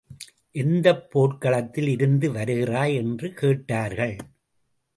எந்தப் போர்க்களத்தில் இருந்து வருகிறாய்? என்று கேட்டார்கள்.